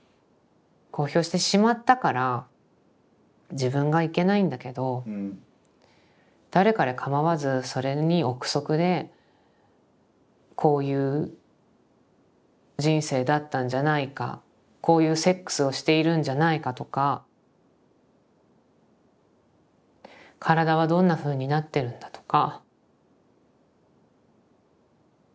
公表してしまったから自分がいけないんだけど誰彼かまわずそれに臆測でこういう人生だったんじゃないかこういうセックスをしているんじゃないかとか体はどんなふうになってるんだとか。